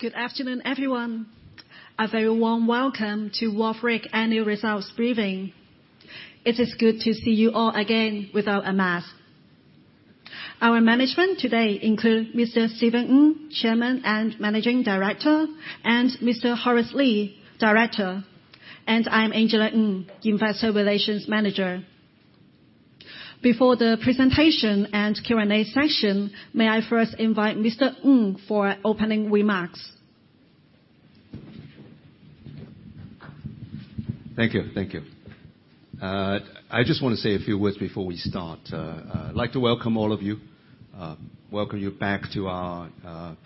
Good afternoon, everyone. A very warm welcome to Wharf Real Estate Investment Company Annual Results Briefing. It is good to see you all again without a mask. Our management today include Mr. Stephen Ng, Chairman and Managing Director, and Mr. Horace Lee, Director. I'm Angela Ng, Investor Relations Manager. Before the presentation and Q&A session, may I first invite Mr. Ng for opening remarks. Thank you. Thank you. I just want to say a few words before we start. I'd like to welcome all of you, welcome you back to our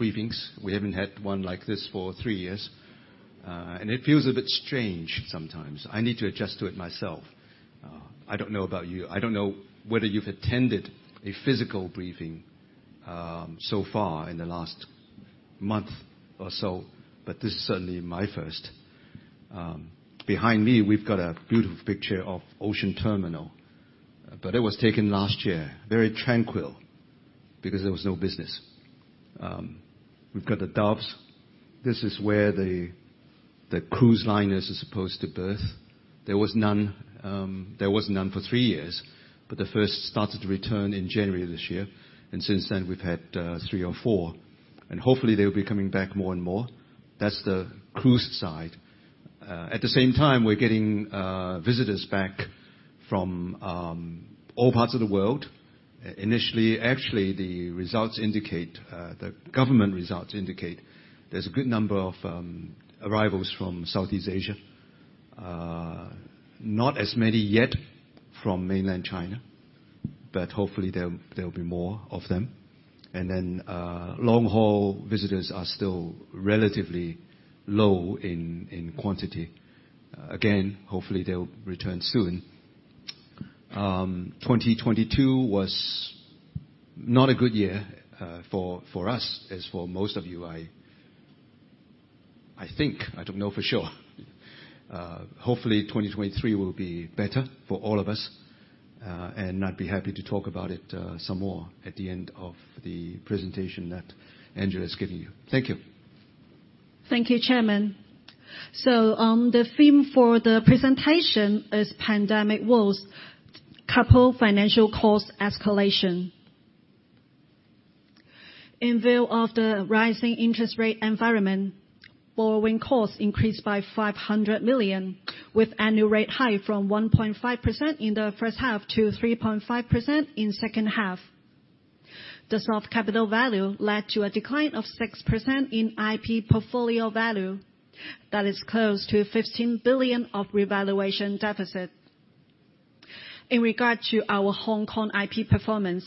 briefings. We haven't had one like this for 3 years. It feels a bit strange sometimes. I need to adjust to it myself. I don't know about you. I don't know whether you've attended a physical briefing so far in the last month or so, but this is certainly my first. Behind me, we've got a beautiful picture of Ocean Terminal, but it was taken last year, very tranquil because there was no business. We've got the docks. This is where the cruise liners are supposed to berth. There was none, there was none for 3 years, the first started to return in January this year, since then we've had 3 or 4, hopefully they'll be coming back more and more. That's the cruise side. At the same time, we're getting visitors back from all parts of the world. Actually, the results indicate, the government results indicate there's a good number of arrivals from Southeast Asia. Not as many yet from mainland China, hopefully there'll be more of them. Long-haul visitors are still relatively low in quantity. Again, hopefully they'll return soon. 2022 was not a good year for us, as for most of you, I think. I don't know for sure. Hopefully 2023 will be better for all of us. I'd be happy to talk about it, some more at the end of the presentation that Angela is giving you. Thank you. Thank you, Chairman. The theme for the presentation is Pandemic Woes Couple Financial Cost Escalation. In view of the rising interest rate environment, borrowing costs increased by 500 million, with annual rate high from 1.5% in the H1 to 3.5% in H2. The soft capital value led to a decline of 6% in IP portfolio value. That is close to 15 billion of revaluation deficit. In regard to our Hong Kong IP performance,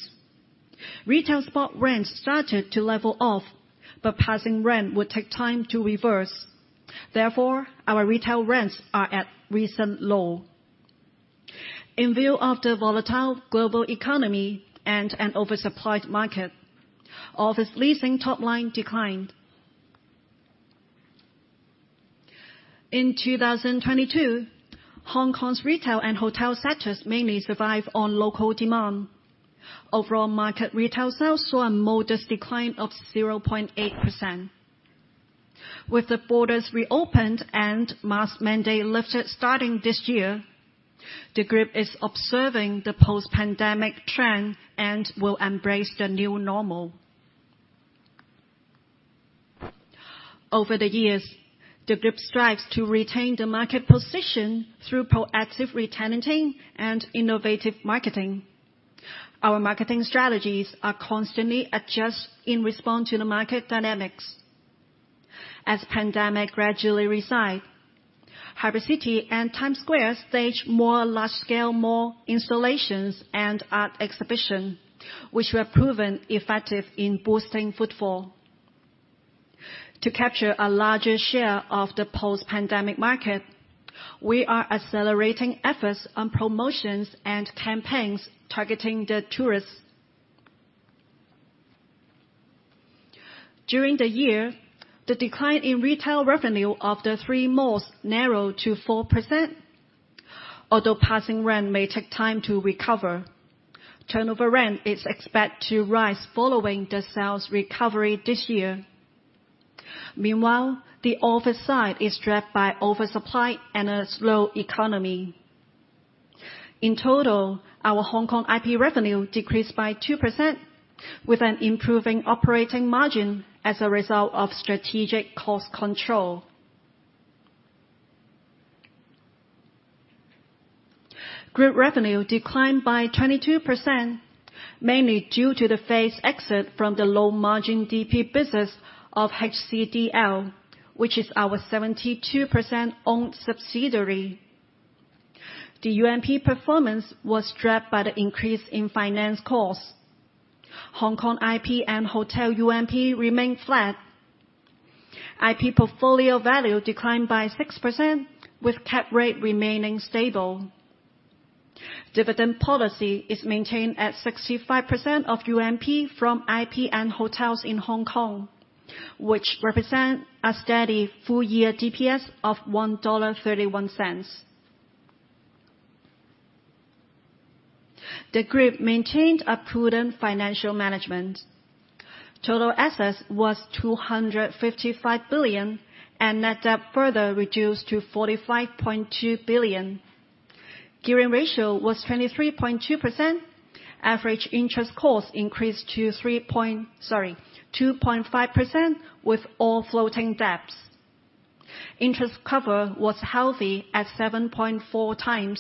retail spot rents started to level off, but passing rent would take time to reverse. Our retail rents are at recent low. In view of the volatile global economy and an oversupplied market, office leasing top-line declined. In 2022, Hong Kong's retail and hotel sectors mainly survive on local demand. Overall market retail sales saw a modest decline of 0.8%. With the borders reopened and mask mandate lifted starting this year, the group is observing the post-pandemic trend and will embrace the new normal. Over the years, the group strives to retain the market position through proactive re-tenanting and innovative marketing. Our marketing strategies are constantly adjusted in response to the market dynamics. As pandemic gradually reside, Harbour City and Times Square stage more large-scale mall installations and art exhibition, which were proven effective in boosting footfall. To capture a larger share of the post-pandemic market, we are accelerating efforts on promotions and campaigns targeting the tourists. During the year, the decline in retail revenue of the three malls narrowed to 4%. Although passing rent may take time to recover, turnover rent is expected to rise following the sales recovery this year. Meanwhile, the office side is driven by oversupply and a slow economy. In total, our Hong Kong IP revenue decreased by 2% with an improving operating margin as a result of strategic cost control. Group revenue declined by 22%, mainly due to the phased exit from the low-margin DP business of HCDL, which is our 72% owned subsidiary. The UMP performance was driven by the increase in finance costs. Hong Kong IP and hotel UMP remained flat. IP portfolio value declined by 6% with cap rate remaining stable. Dividend policy is maintained at 65% of UMP from IP and hotels in Hong Kong, which represent a steady full-year DPS of HKD 1.31. The group maintained a prudent financial management. Total assets was 255 billion and net debt further reduced to 45.2 billion. Gearing ratio was 23.2%. Average interest cost increased to 2.5% with all floating debts. Interest cover was healthy at 7.4x.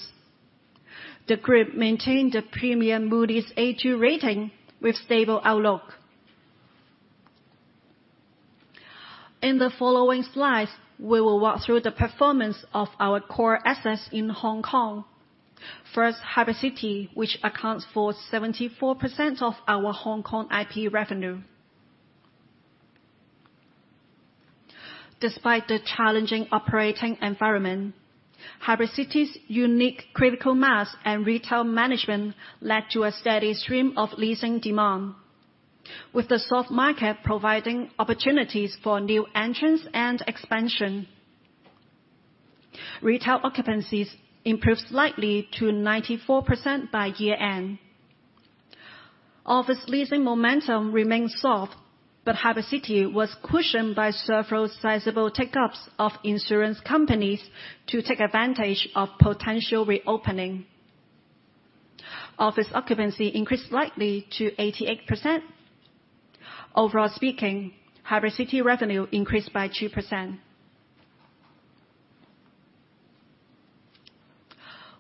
The group maintained a premium Moody's A2 rating with stable outlook. In the following slides, we will walk through the performance of our core assets in Hong Kong. First, Harbour City, which accounts for 74% of our Hong Kong IP revenue. Despite the challenging operating environment, Harbour City's unique critical mass and retail management led to a steady stream of leasing demand, with the soft market providing opportunities for new entrants and expansion. Retail occupancies improved slightly to 94% by year-end. Office leasing momentum remains soft, Harbour City was cushioned by several sizable take-ups of insurance companies to take advantage of potential reopening. Office occupancy increased slightly to 88%. Overall speaking, Harbour City revenue increased by 2%.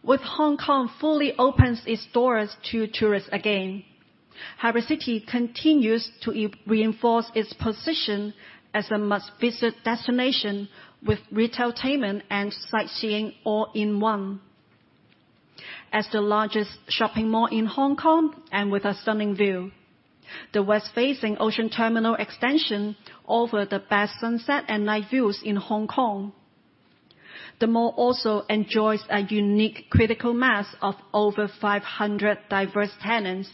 With Hong Kong fully opens its doors to tourists again, Harbour City continues to reinforce its position as a must-visit destination with retailtainment and sightseeing all in one. As the largest shopping mall in Hong Kong, and with a stunning view, the west-facing Ocean Terminal extension offer the best sunset and night views in Hong Kong. The mall also enjoys a unique critical mass of over 500 diverse tenants,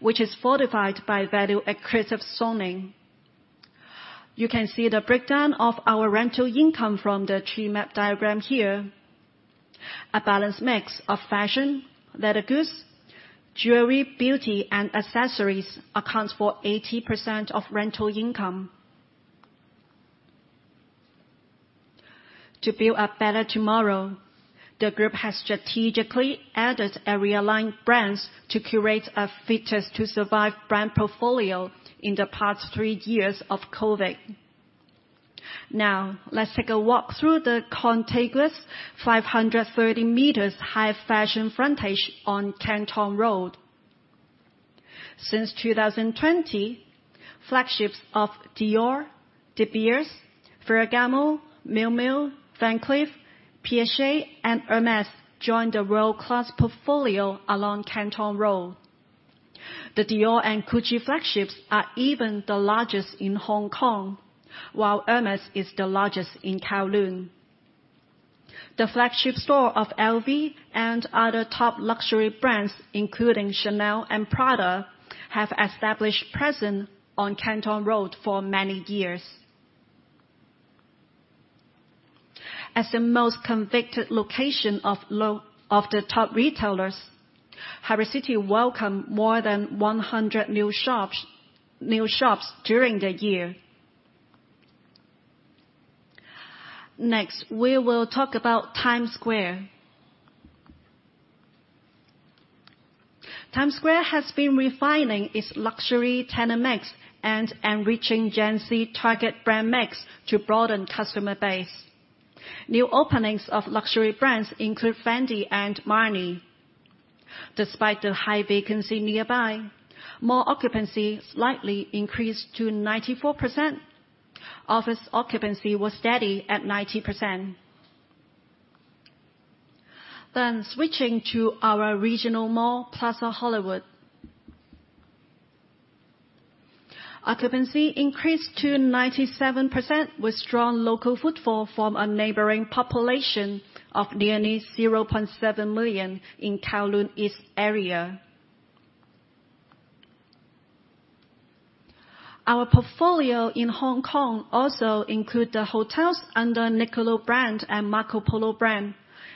which is fortified by value-accretive zoning. You can see the breakdown of our rental income from the tree map diagram here. A balanced mix of fashion, leather goods, jewelry, beauty, and accessories accounts for 80% of rental income. To build a better tomorrow, the group has strategically added and realigned brands to curate a fittest-to-survive brand portfolio in the past 3 years of COVID. Let's take a walk through the contiguous 530 meters high fashion frontage on Canton Road. Since 2020, flagships of Dior, De Beers, Ferragamo, Miu Miu, Van Cleef, Piaget, and Hermès joined the world-class portfolio along Canton Road. The Dior and Gucci flagships are even the largest in Hong Kong, while Hermès is the largest in Kowloon. The flagship store of LV and other top luxury brands, including Chanel and Prada, have established presence on Canton Road for many years. The most convicted location of the top retailers, Harbour City welcomed more than 100 new shops during the year. We will talk about Times Square. Times Square has been refining its luxury tenant mix and enriching Gen Z target brand mix to broaden customer base. New openings of luxury brands include Fendi and Marni. Despite the high vacancy nearby, mall occupancy slightly increased to 94%. Office occupancy was steady at 90%. Switching to our regional mall, Plaza Hollywood. Occupancy increased to 97% with strong local footfall from a neighboring population of nearly 0.7 million in Kowloon East area. Our portfolio in Hong Kong also include the hotels under Niccolo brand and Marco Polo brand,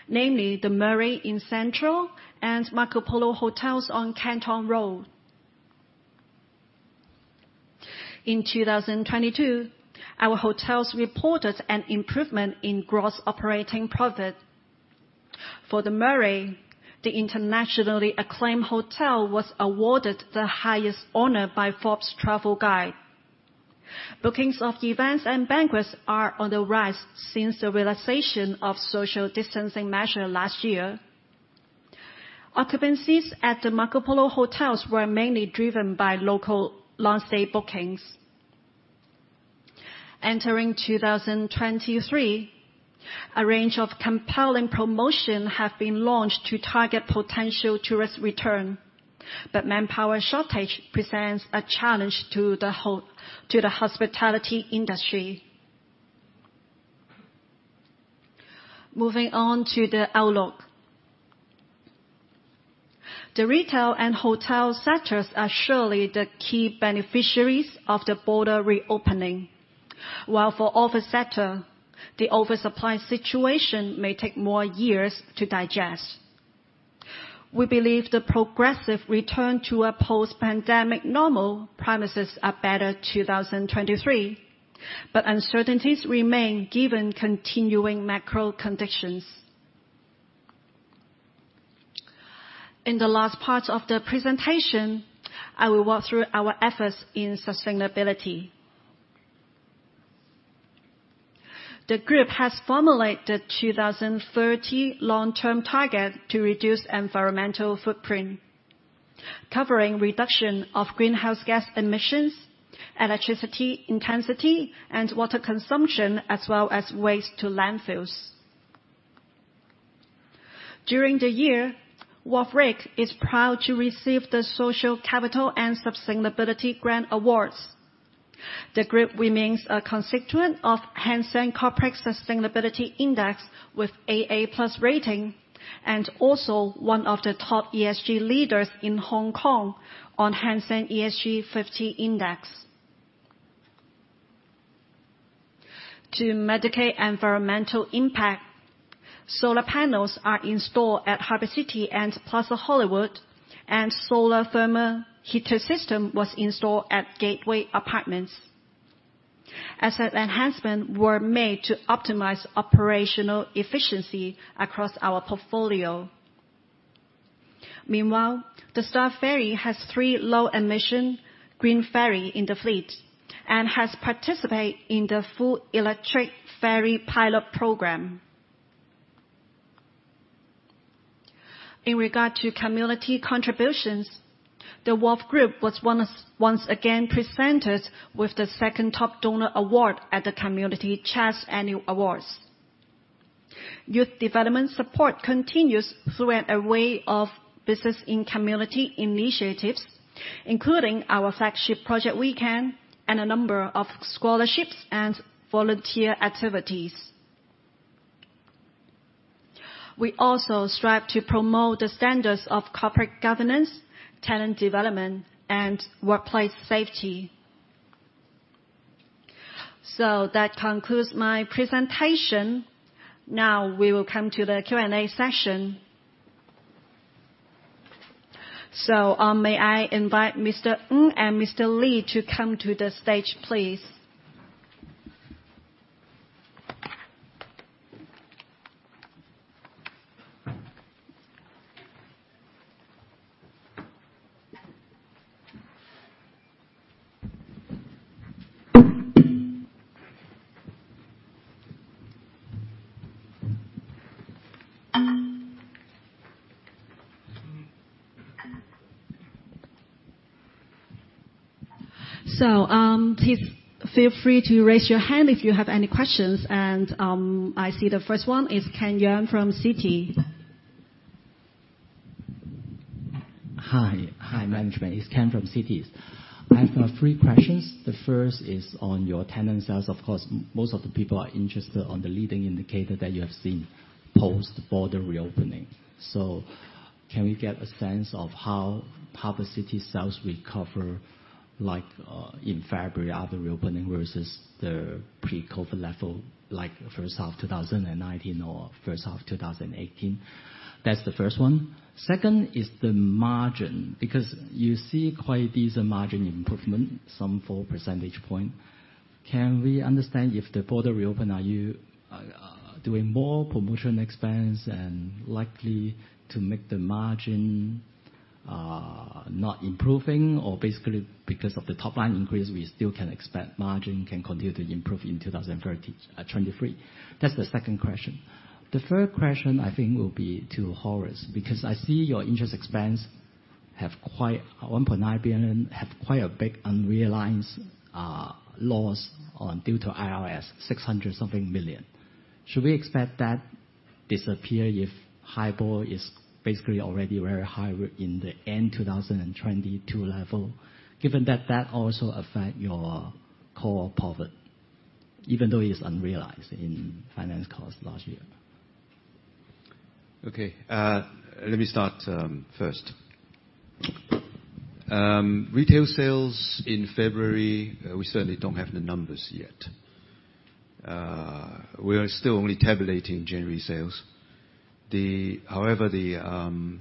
namely The Murray in Central and Marco Polo Hotels on Canton Road. In 2022, our hotels reported an improvement in gross operating profit. For The Murray, the internationally acclaimed hotel was awarded the highest honor by Forbes Travel Guide. Bookings of events and banquets are on the rise since the relaxation of social distancing measure last year. Occupancies at the Marco Polo Hotels were mainly driven by local long-stay bookings. Entering 2023, a range of compelling promotion have been launched to target potential tourist return, manpower shortage presents a challenge to the hospitality industry. Moving on to the outlook. The retail and hotel sectors are surely the key beneficiaries of the border reopening. While for office sector, the oversupply situation may take more years to digest. We believe the progressive return to a post-pandemic normal promises a better 2023, uncertainties remain given continuing macro conditions. In the last part of the presentation, I will walk through our efforts in sustainability. The group has formulated 2030 long-term target to reduce environmental footprint, covering reduction of greenhouse gas emissions, electricity intensity, and water consumption, as well as waste to landfills. During the year, Wharf REIC is proud to receive the Social Capital and Sustainability Grant Awards. The group remains a constituent of Hang Seng Corporate Sustainability Index, with AA+ rating, and also one of the top ESG leaders in Hong Kong on Hang Seng ESG 50 Index. To mitigate environmental impact, solar panels are installed at Harbour City and Plaza Hollywood, and solar thermal heater system was installed at Gateway Apartments. Asset enhancement were made to optimize operational efficiency across our portfolio. Meanwhile, the Star Ferry has 3 low-emission green ferry in the fleet, and has participate in the full electric ferry pilot program. In regard to community contributions, the Wharf Group was once again presented with the second top donor award at the Community Chest Annual Awards. Youth development support continues through an array of business and community initiatives, including our flagship Project WeCan, and a number of scholarships and volunteer activities. We also strive to promote the standards of corporate governance, talent development, and workplace safety. That concludes my presentation. Now we will come to the Q&A session. May I invite Mr. Ng and Mr. Lee to come to the stage, please? Please feel free to raise your hand if you have any questions, and I see the first one is Ken Yeung from Citi. Hi. Hi, management. It's Ken from Citi. I have got 3 questions. The first is on your tenant sales. Of course, most of the people are interested on the leading indicator that you have seen post-border reopening. Can we get a sense of how Harbour City sales recover, like, in February after reopening versus the pre-COVID level, like first half 2019 or H1 2018? That's the first one. Second is the margin, because you see quite decent margin improvement, some 4 percentage point. Can we understand if the border reopen, are you doing more promotion expense and likely to make the margin not improving? Basically because of the top-line increase, we still can expect margin can continue to improve in 2023? That's the second question. The third question I think will be to Horace, I see your interest expense 1.9 billion have quite a big unrealized loss on due to IRS, 600 something million. Should we expect that disappear if HIBOR is basically already very high in the end 2022 level, given that that also affect your core profit, even though it's unrealized in finance cost last year? Okay. Let me start first. Retail sales in February, we certainly don't have the numbers yet. We are still only tabulating January sales. However, the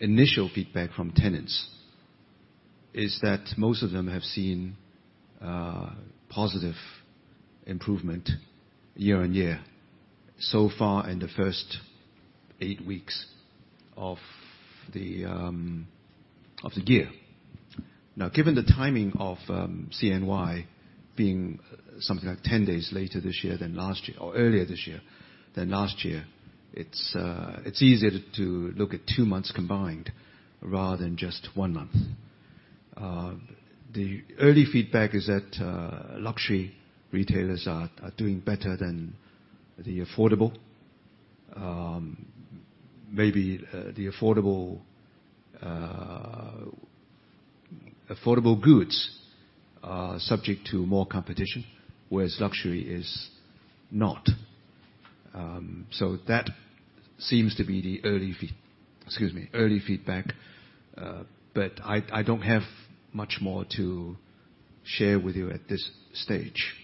initial feedback from tenants is that most of them have seen positive improvement year-over-year so far in the first 8 weeks of the year. Given the timing of CNY being something like 10 days later this year than last year, or earlier this year than last year, it's easier to look at 2 months combined rather than just 1 month. The early feedback is that luxury retailers are doing better than the affordable. Maybe the affordable goods are subject to more competition, whereas luxury is not. That seems to be the early feedback. Excuse me. Early feedback. I don't have much more to share with you at this stage.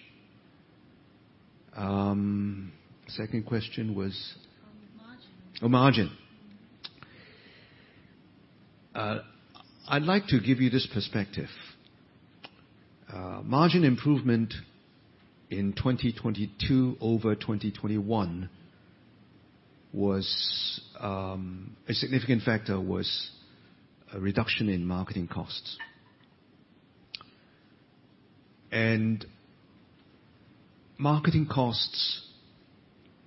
Second question was? On margin. Oh, margin. I'd like to give you this perspective. Margin improvement in 2022 over 2021 was a significant factor was a reduction in marketing costs. Marketing costs,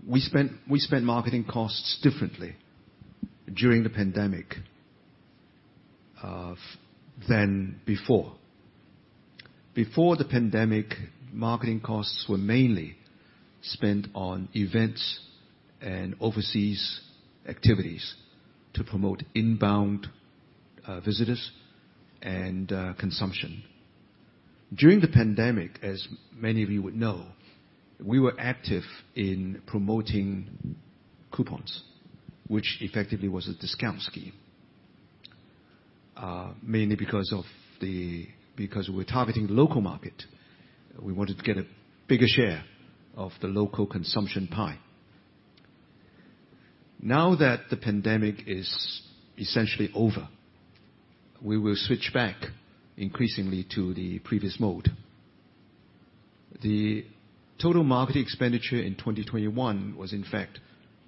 we spent marketing costs differently during the pandemic than before. Before the pandemic, marketing costs were mainly spent on events and overseas activities to promote inbound visitors and consumption. During the pandemic, as many of you would know, we were active in promoting coupons, which effectively was a discount scheme. Mainly because we were targeting the local market. We wanted to get a bigger share of the local consumption pie. Now that the pandemic is essentially over, we will switch back increasingly to the previous mode. The total marketing expenditure in 2021 was in fact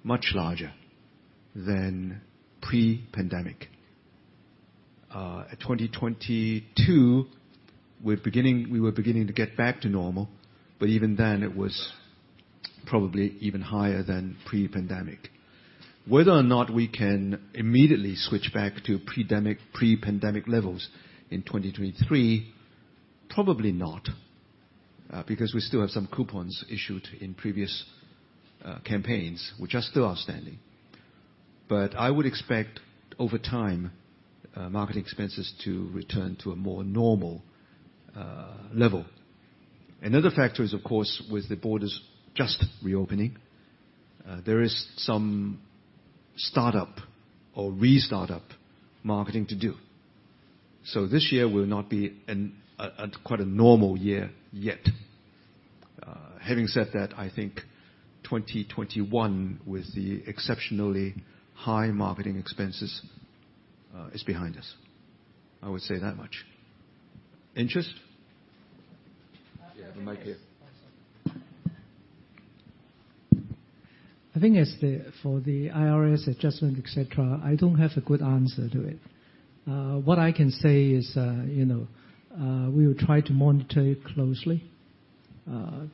much larger than pre-pandemic. 2022 we were beginning to get back to normal, but even then it was probably even higher than pre-pandemic. Whether or not we can immediately switch back to pre-pandemic levels in 2023, probably not, because we still have some coupons issued in previous campaigns which are still outstanding. I would expect over time, marketing expenses to return to a more normal level. Another factor is of course, with the borders just reopening, there is some start-up or restart-up marketing to do. This year will not be a quite normal year yet. Having said that, I think 2021 with the exceptionally high marketing expenses is behind us. I would say that much. Interest? Uh. Yeah, the mic here. Oh, sorry. I think for the IRS adjustment, et cetera, I don't have a good answer to it. What I can say is, you know, we will try to monitor it closely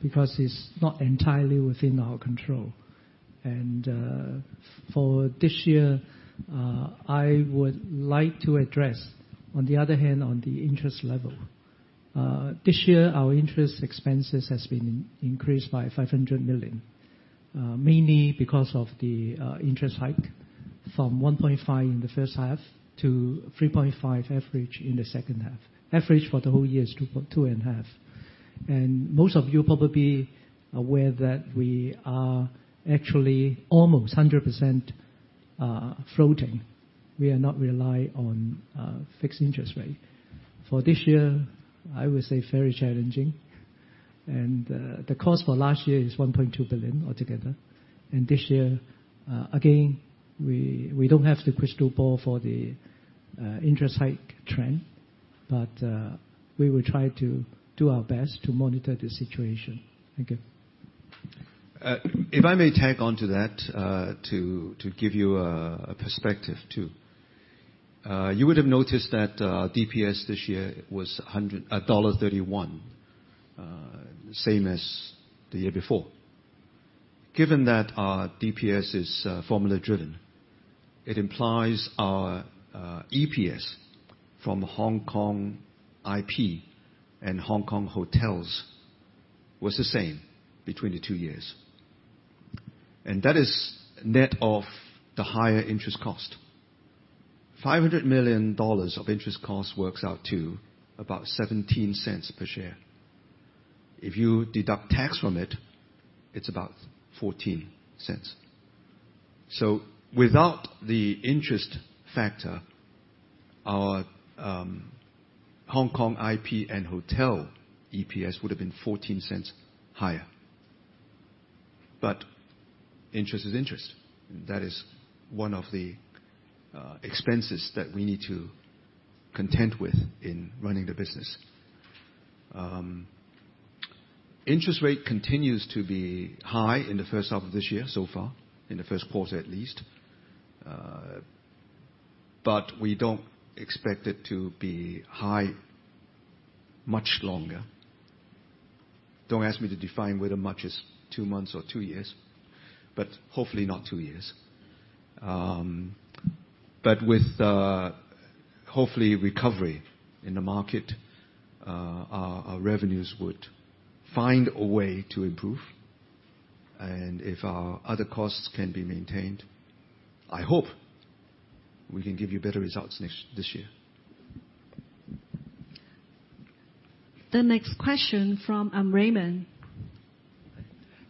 because it's not entirely within our control. For this year, I would like to address, on the other hand, on the interest level. This year our interest expenses has been increased by 500 million mainly because of the interest hike from 1.5 in the H1 to 3.5 average in the H2. Average for the whole year is 2.5. Most of you probably aware that we are actually almost 100% floating. We are not rely on fixed interest rate. For this year, I would say very challenging. The cost for last year is 1.2 billion altogether. This year, again, we don't have the crystal ball for the interest hike trend, but we will try to do our best to monitor the situation. Thank you. If I may tag onto that, to give you a perspective too. You would have noticed that DPS this year was dollar 1.31. Same as the year before. Given that our DPS is formula driven, it implies our EPS from Hong Kong IP and Hong Kong hotels was the same between the two years. That is net of the higher interest cost. 500 million dollars of interest cost works out to about 0.17 per share. If you deduct tax from it's about 0.14. Without the interest factor, our Hong Kong IP and hotel EPS would have been 0.14 higher. Interest is interest. That is one of the expenses that we need to contend with in running the business. Interest rate continues to be high in the first half of this year so far, in the first quarter at least. We don't expect it to be high much longer. Don't ask me to define whether much is 2 months or 2 years, but hopefully not 2 years. With, hopefully recovery in the market, our revenues would find a way to improve. If our other costs can be maintained, I hope we can give you better results this year. The next question from, Raymond.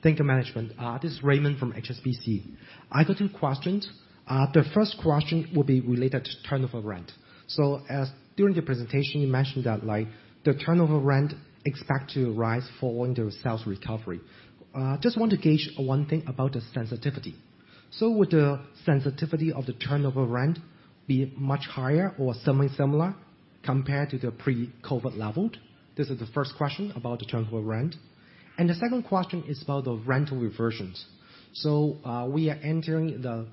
Thank you, management. This is Raymond from HSBC. I got two questions. The first question will be related to turnover rent. As during the presentation, you mentioned that like the turnover rent expect to rise following the sales recovery. Just want to gauge one thing about the sensitivity. Would the sensitivity of the turnover rent be much higher or something similar compared to the pre-COVID level? This is the first question about the turnover rent. The second question is about the rental reversions. We are entering the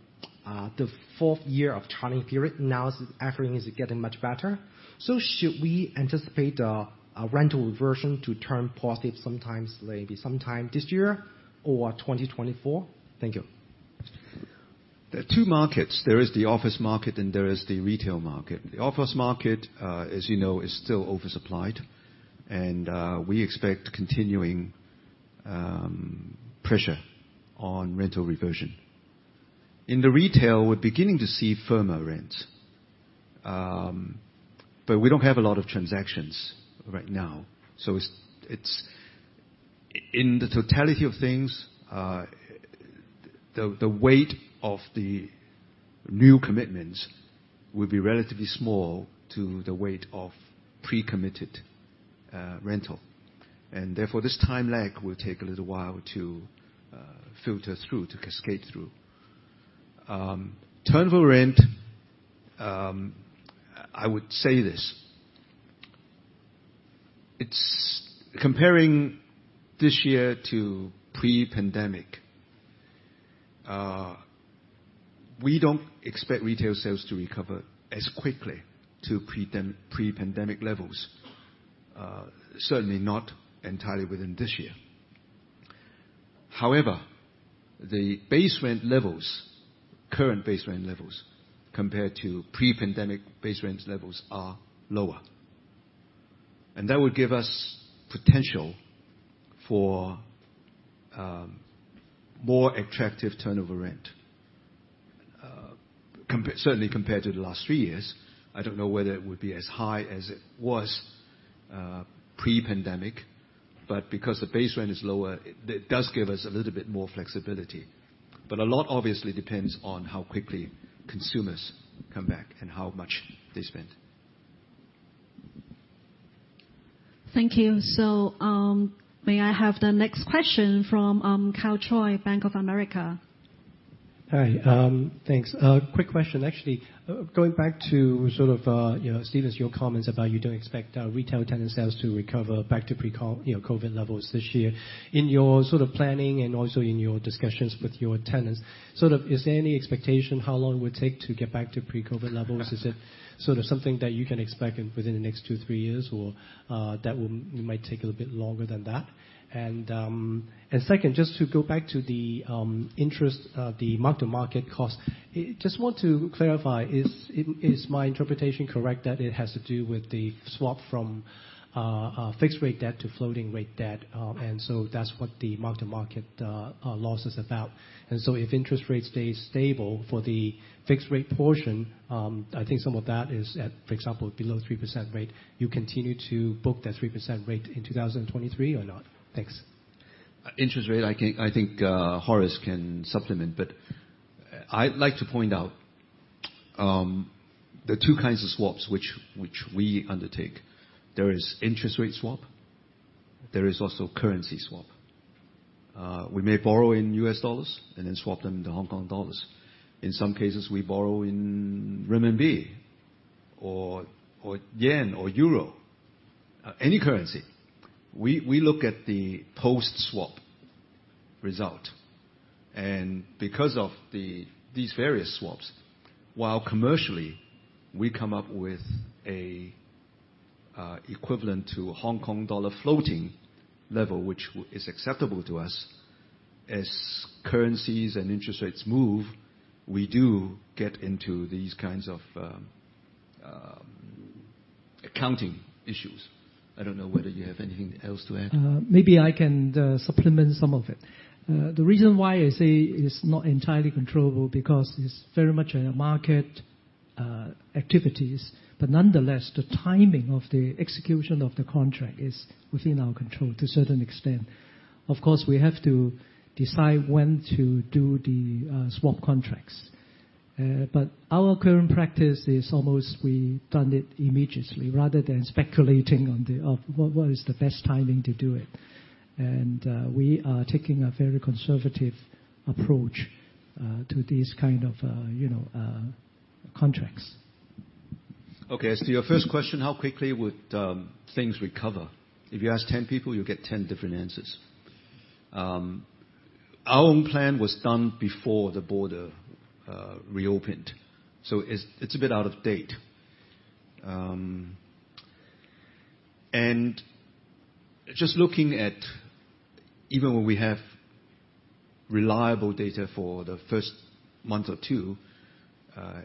fourth year of traveling period. Now everything is getting much better. Should we anticipate a rental reversion to turn positive sometimes, maybe sometime this year or 2024? Thank you. There are two markets. There is the office market, and there is the retail market. The office market, as you know, is still oversupplied, and we expect continuing pressure on rental reversion. In the retail, we're beginning to see firmer rents, but we don't have a lot of transactions right now. It's in the totality of things, the weight of the new commitments will be relatively small to the weight of pre-committed rental. Therefore, this time lag will take a little while to filter through, to cascade through. Turnover rent, I would say this. Comparing this year to pre-pandemic, we don't expect retail sales to recover as quickly to pre-pandemic levels, certainly not entirely within this year. However, the base rent levels, current base rent levels, compared to pre-pandemic base rent levels are lower. That would give us potential for more attractive turnover rent, certainly compared to the last three years. I don't know whether it would be as high as it was pre-pandemic, but because the base rent is lower, it does give us a little bit more flexibility. A lot obviously depends on how quickly consumers come back and how much they spend. Thank you. May I have the next question from Karl Choi, Bank of America? Hi. Thanks. A quick question, actually. Going back to sort of, you know, Stephen, your comments about you don't expect retail tenant sales to recover back to pre-COVID, you know, COVID levels this year. In your sort of planning and also in your discussions with your tenants, sort of is there any expectation how long it would take to get back to pre-COVID levels? Is it sort of something that you can expect within the next two, three years, or that will might take a little bit longer than that? Second, just to go back to the interest, the mark-to-market cost, just want to clarify, is my interpretation correct that it has to do with the swap from fixed rate debt to floating rate debt? So that's what the mark-to-market loss is about. If interest rates stay stable for the fixed rate portion, I think some of that is at, for example, below 3% rate. You continue to book that 3% rate in 2023 or not? Thanks. Interest rate, I think Horace can supplement. I'd like to point out, there are two kinds of swaps which we undertake. There is interest rate swap. There is also currency swap. We may borrow in U.S. dollars and then swap them to Hong Kong dollars. In some cases, we borrow in renminbi or yen or euro, any currency. We look at the post-swap result. Because of these various swaps, while commercially we come up with a equivalent to Hong Kong dollar floating level, which is acceptable to us, as currencies and interest rates move, we do get into these kinds of accounting issues. I don't know whether you have anything else to add. Maybe I can supplement some of it. The reason why I say it's not entirely controllable, because it's very much a market activities. Nonetheless, the timing of the execution of the contract is within our control to a certain extent. Of course, we have to decide when to do the swap contracts. Our current practice is almost we done it immediately rather than speculating on the what is the best timing to do it. We are taking a very conservative approach to these kind of, you know, contracts. Okay. As to your first question, how quickly would things recover? If you ask 10 people, you'll get 10 different answers. Our own plan was done before the border reopened, so it's a bit out of date. Just looking at even when we have reliable data for the first month or two,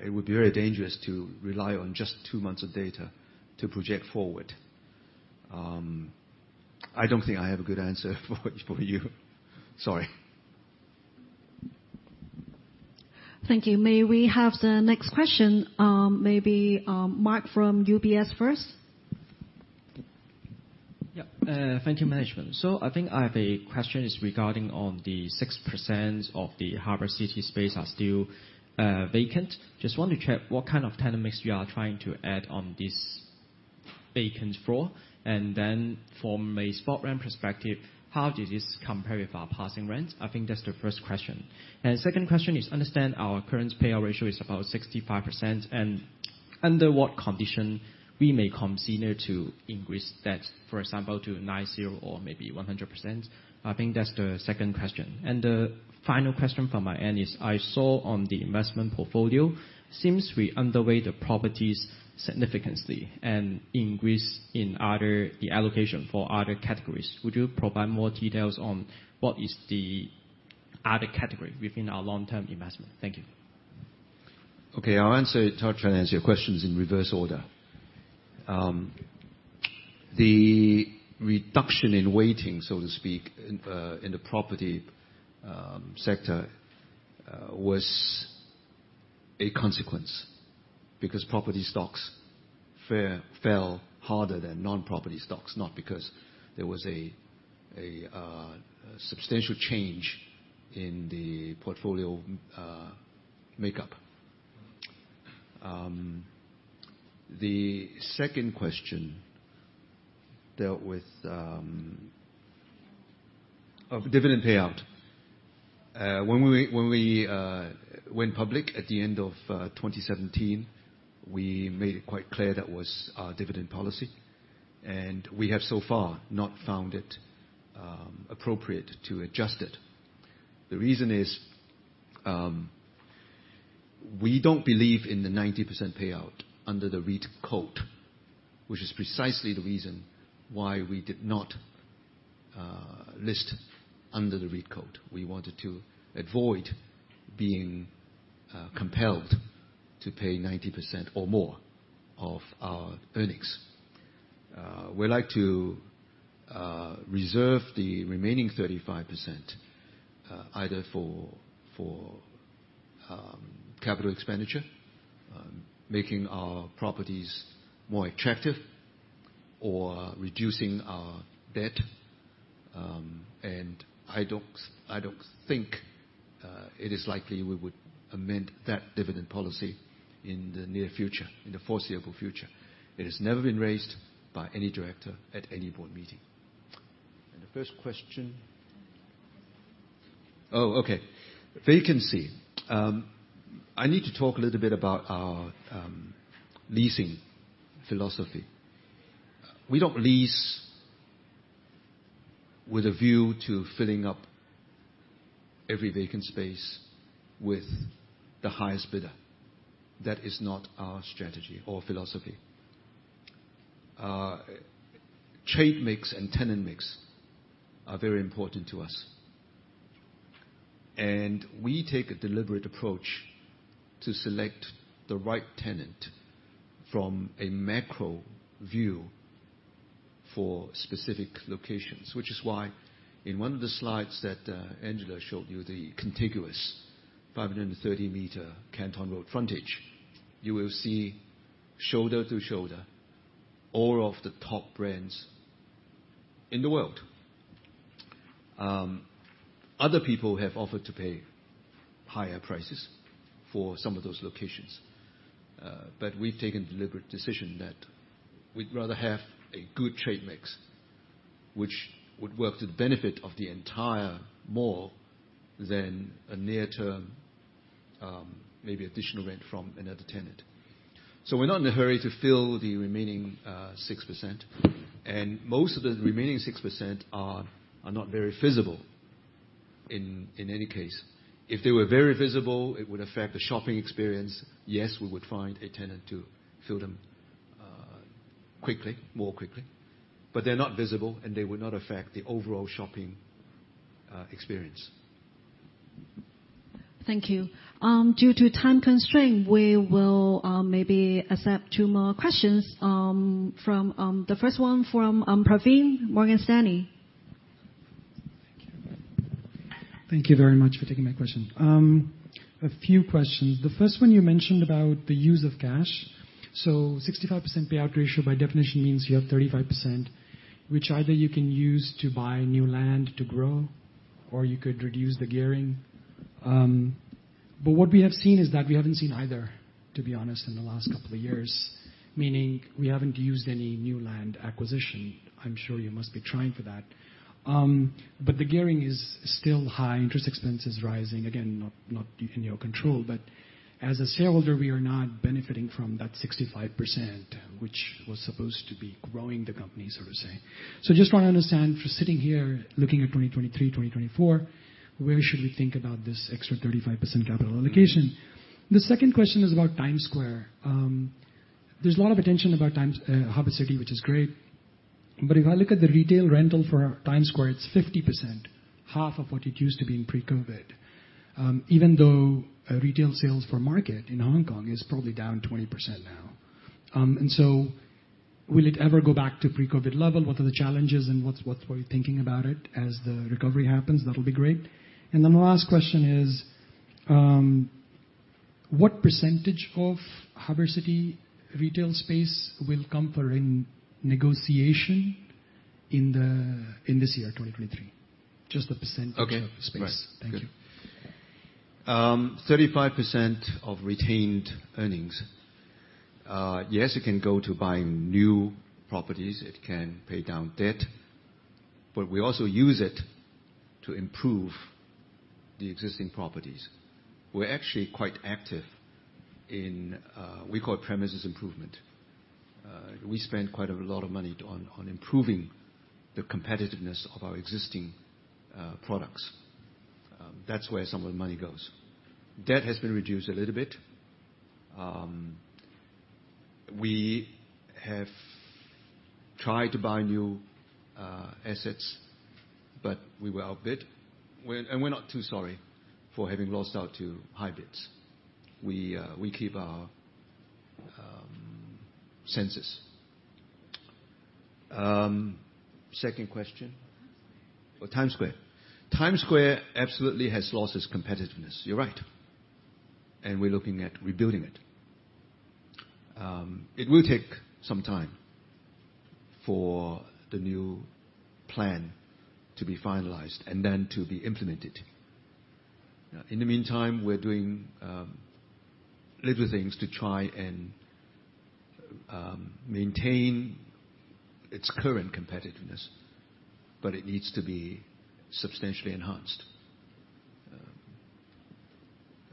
it would be very dangerous to rely on just two months of data to project forward. I don't think I have a good answer for you. Sorry. Thank you. May we have the next question? Maybe, Mark from UBS first. Yeah. Thank you, management. I think I have a question is regarding on the 6% of the Harbour City space are still vacant. Just want to check what kind of tenant mix you are trying to add on this vacant floor. From a spot rent perspective, how does this compare with our passing rent? I think that's the first question. Second question is understand our current payout ratio is about 65%, and under what condition we may consider to increase that, for example, to 90 or maybe 100%? I think that's the second question. The final question from my end is I saw on the investment portfolio, seems we underway the properties significantly and increase in other, the allocation for other categories. Would you provide more details on what is the other category within our long-term investment? Thank you. Okay. I'll answer, try to answer your questions in reverse order. The reduction in weighting, so to speak, in the property sector, was a consequence because property stocks fell harder than non-property stocks, not because there was a substantial change in the portfolio makeup. The second question dealt with dividend payout. When we went public at the end of 2017, we made it quite clear that was our dividend policy, and we have so far not found it appropriate to adjust it. The reason is, we don't believe in the 90% payout under the REIT code, which is precisely the reason why we did not list under the REIT code. We wanted to avoid being compelled to pay 90% or more of our earnings. We like to reserve the remaining 35% either for capital expenditure, making our properties more attractive or reducing our debt. I don't think it is likely we would amend that dividend policy in the near future, in the foreseeable future. It has never been raised by any director at any board meeting. The first question. Okay. Vacancy. I need to talk a little bit about our leasing philosophy. We don't lease with a view to filling up every vacant space with the highest bidder. That is not our strategy or philosophy. Trade mix and tenant mix are very important to us. We take a deliberate approach to select the right tenant from a macro view for specific locations, which is why in one of the slides that Angela showed you, the contiguous 530 m Canton Road frontage, you will see shoulder to shoulder all of the top brands in the world. Other people have offered to pay higher prices for some of those locations. We've taken the deliberate decision that we'd rather have a good trade mix, which would work to the benefit of the entire mall than a near-term maybe additional rent from another tenant. We're not in a hurry to fill the remaining 6%, and most of the remaining 6% are not very visible in any case. If they were very visible, it would affect the shopping experience. Yes, we would find a tenant to fill them quickly, more quickly, but they're not visible, and they would not affect the overall shopping experience. Thank you. Due to time constraint, we will maybe accept 2 more questions. The first one from Praveen, Morgan Stanley. Thank you. Thank you very much for taking my question. A few questions. The first one you mentioned about the use of cash. 65% payout ratio by definition means you have 35%, which either you can use to buy new land to grow or you could reduce the gearing. What we have seen is that we haven't seen either, to be honest, in the last couple of years, meaning we haven't used any new land acquisition. I'm sure you must be trying for that. The gearing is still high, interest expense is rising. Again, not in your control, but as a shareholder, we are not benefiting from that 65%, which was supposed to be growing the company, so to say. Just want to understand, for sitting here looking at 2023, 2024, where should we think about this extra 35% capital allocation? The second question is about Times Square. There's a lot of attention about Harbour City, which is great, but if I look at the retail rental for Times Square, it's 50%, half of what it used to be in pre-COVID. Even though retail sales for market in Hong Kong is probably down 20% now. Will it ever go back to pre-COVID level? What are the challenges, and what are we thinking about it as the recovery happens? That'll be great. My last question is, what percentage of Harbour City retail space will come for in negotiation in this year, 2023? Just the percentage- Okay. of the space. Right. Thank you. 35% of retained earnings. Yes, it can go to buying new properties. It can pay down debt. We also use it to improve the existing properties. We're actually quite active in, we call it premises improvement. We spend quite a lot of money on improving the competitiveness of our existing products. That's where some of the money goes. Debt has been reduced a little bit. We have tried to buy new assets, but we were outbid. We're not too sorry for having lost out to high bids. We keep our senses. Second question? Times Square. Times Square. Times Square absolutely has lost its competitiveness. You're right. We're looking at rebuilding it. It will take some time for the new plan to be finalized and then to be implemented. In the meantime, we're doing little things to try and maintain its current competitiveness, but it needs to be substantially enhanced.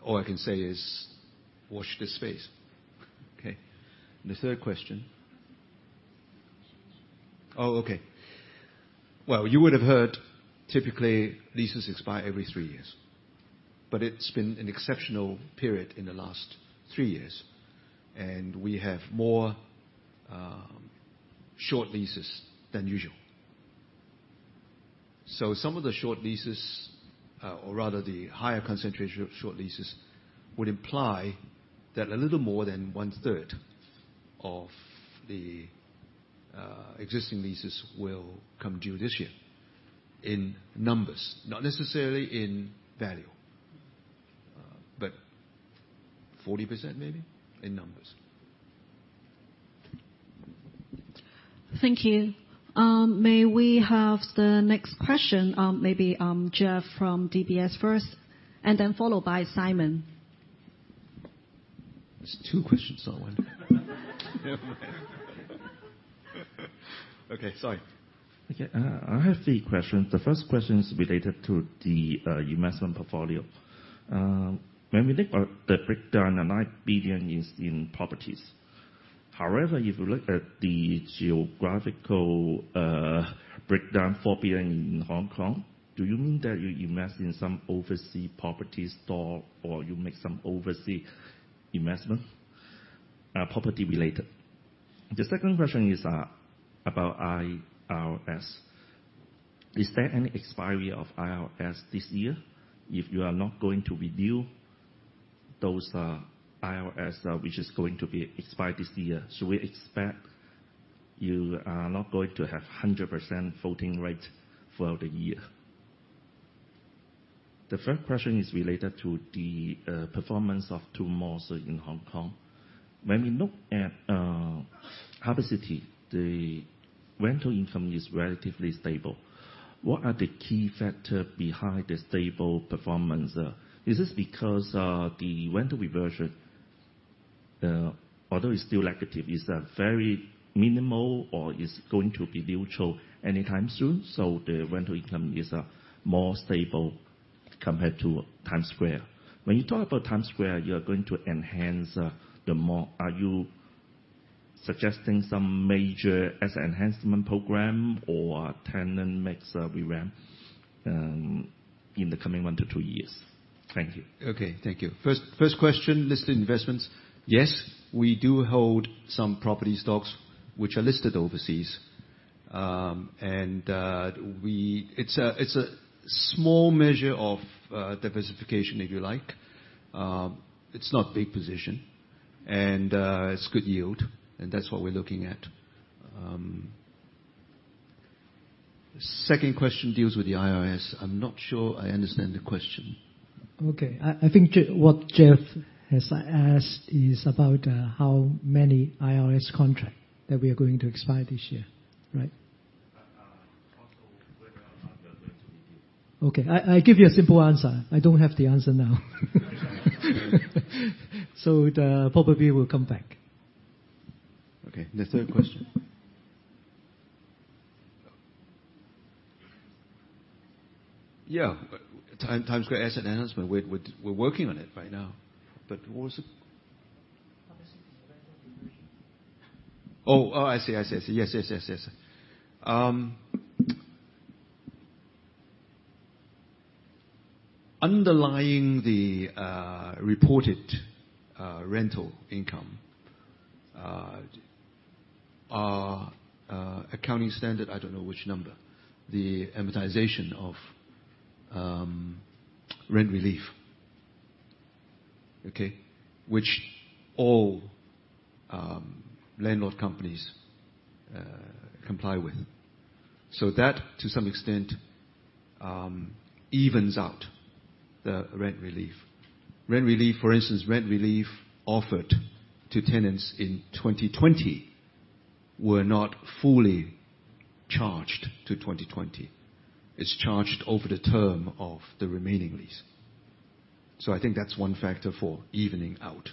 All I can say is watch this space. Okay, the third question? Okay. Well, you would have heard typically leases expire every three years, but it's been an exceptional period in the last three years, and we have more short leases than usual. Some of the short leases, or rather the higher concentration of short leases, would imply that a little more than one-third of the existing leases will come due this year, in numbers, not necessarily in value. 40% maybe, in numbers. Thank you. May we have the next question, maybe, Jeff from DBS first, and then followed by Simon. There's 2 questions at once. Okay, sorry. Okay. I have three questions. The first question is related to the investment portfolio. When we think about the breakdown, and 9 billion is in properties. However, if you look at the geographical breakdown, 4 billion in Hong Kong, do you mean that you invest in some overseas property stock, or you make some overseas investment, property-related? The second question is about IRS. Is there any expiry of IRS this year if you are not going to renew those IRS which is going to be expired this year? We expect you are not going to have 100% voting rate for the year. The third question is related to the performance of two malls in Hong Kong. When we look at Harbour City, the rental income is relatively stable. What are the key factor behind the stable performance? Is this because the rental reversion, although it's still negative, is very minimal or is going to be neutral anytime soon, so the rental income is more stable compared to Times Square? When you talk about Times Square, you are going to enhance the mall. Are you suggesting some major asset enhancement program or tenant mix revamp in the coming 1-2 years? Thank you. Okay, thank you. First question, listed investments. Yes, we do hold some property stocks which are listed overseas. It's a small measure of diversification, if you like. It's not big position. It's good yield, and that's what we're looking at. Second question deals with the IRS. I'm not sure I understand the question. Okay. I think what Jeff has asked is about how many IRS contract that we are going to expire this year, right? also whether or not you are going to review. Okay. I give you a simple answer. I don't have the answer now. The probably will come back. Okay. The third question. Yeah. Times Square asset enhancement. We're working on it right now. What was the- Harbour City's rental reversion. I see, I see. Yes, yes, yes. Underlying the reported rental income, our accounting standard, I don't know which number. The amortization of rent relief. Okay. Which all landlord companies comply with. That, to some extent, evens out the rent relief. Rent relief, for instance, offered to tenants in 2020 were not fully charged to 2020. It's charged over the term of the remaining lease. I think that's one factor for evening out.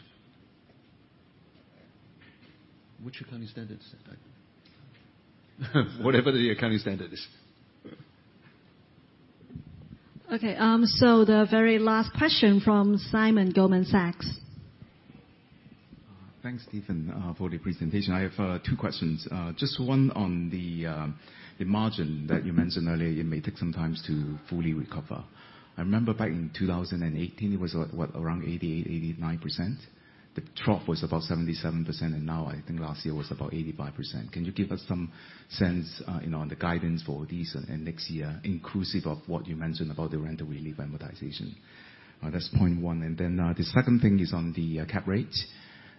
Which accounting standards? Whatever the accounting standard is. Okay. The very last question from Simon, Goldman Sachs. Thanks, Stephen, for the presentation. I have two questions. Just one on the margin that you mentioned earlier, it may take some time to fully recover. I remember back in 2018, it was what? Around 88%-89%. The trough was about 77%, and now I think last year was about 85%. Can you give us some sense, you know, on the guidance for this and next year inclusive of what you mentioned about the rent relief amortization? That's point 1. The second thing is on the cap rate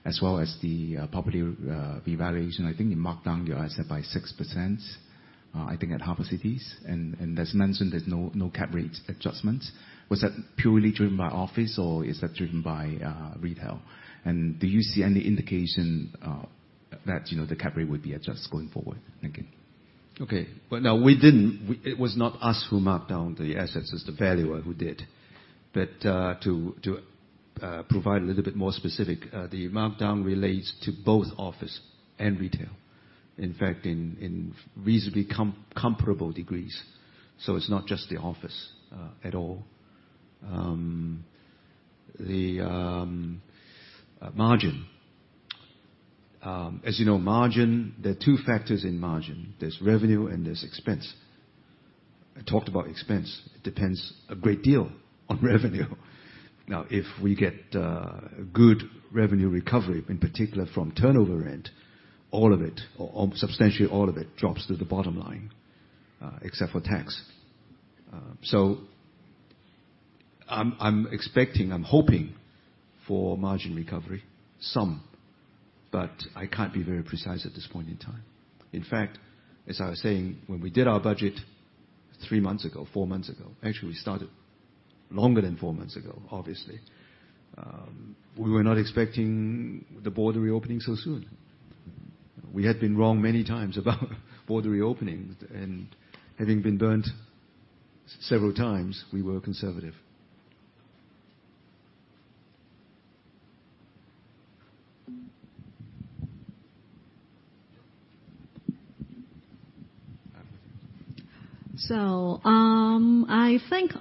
as well as the property evaluation. I think you marked down your asset by 6%, I think at Harbour City. As mentioned, there's no cap rate adjustments. Was that purely driven by office or is that driven by retail? Do you see any indication, that, you know, the cap rate would be adjusted going forward? Thank you. Okay. Well, no, we didn't. It was not us who marked down the assets. It's the valuer who did. To provide a little bit more specific, the markdown relates to both office and retail. In fact, in reasonably comparable degrees. It's not just the office at all. The margin. As you know, margin, there are two factors in margin. There's revenue and there's expense. I talked about expense. It depends a great deal on revenue. If we get good revenue recovery, in particular from turnover rent, all of it or substantially all of it drops to the bottom line, except for tax. I'm expecting, I'm hoping for margin recovery, some, but I can't be very precise at this point in time. In fact, as I was saying, when we did our budget three months ago, four months ago, actually, we started longer than four months ago, obviously, we were not expecting the border reopening so soon. We had been wrong many times about border reopenings. Having been burnt several times, we were conservative. I think.